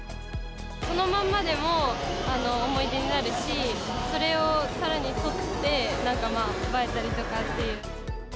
このまんまでも思い出になるし、それをさらに撮って、なんかまあ、映えたりとかっていう。